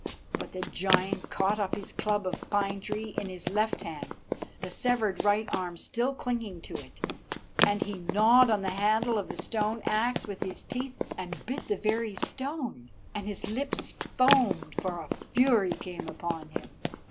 But the giant caught up his club of pine tree in his left hand, the severed right arm still clinging to it. And he gnawed on the handle of the stone axe with his teeth, and bit the very stone, and his lips foamed, for a fury came upon him.